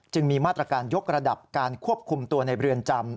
มีมาตรการยกระดับการควบคุมตัวในเรือนจำ